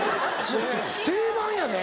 定番やで。